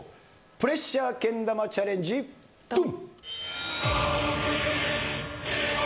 プレッシャーけん玉チャレンジドン！